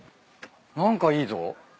何かいいぞ。